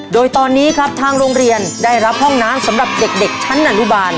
โดยตอนนี้ครับทางโรงเรียนได้รับห้องน้ำสำหรับเด็กชั้นอนุบาล